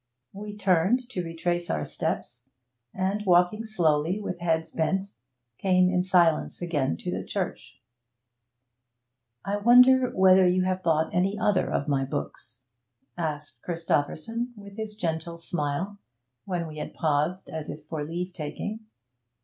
We turned to retrace our steps, and walking slowly, with heads bent, came in silence again to the church. 'I wonder whether you have bought any other of my books?' asked Christopherson, with his gentle smile, when we had paused as if for leave taking.